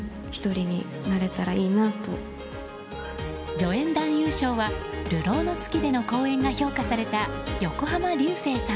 助演男優賞は「流浪の月」での好演が評価された横浜流星さん。